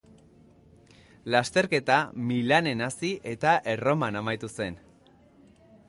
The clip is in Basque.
Lasterketa Milanen hasi eta Erroman amaitu zen.